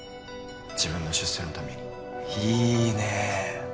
自分の出世のためにいいね